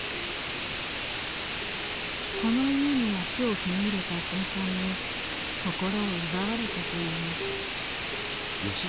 この家に足を踏み入れた瞬間に心を奪われたといいます。